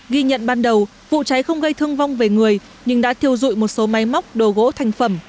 ghi nhận ban đầu vụ cháy không gây thương vong về người nhưng đã thiêu dụi một số máy móc đồ gỗ thành phẩm